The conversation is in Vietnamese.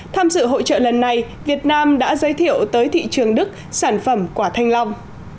tham dự hội trợ lần này việt nam đã giới thiệu tới thị trường đức sản phẩm quả thanh long